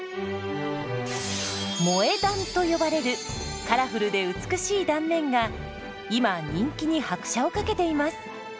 「萌え断」と呼ばれるカラフルで美しい断面が今人気に拍車をかけています。